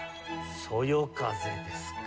「そよ風」ですか。